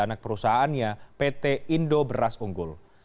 anak perusahaannya pt indo beras unggul